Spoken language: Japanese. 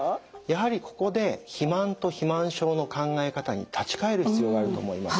やはりここで肥満と肥満症の考え方に立ち返る必要があると思います。